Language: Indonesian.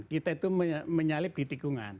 kita itu menyalip di tikungan